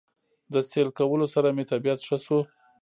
د سېل کولو سره مې طبعيت ښه شو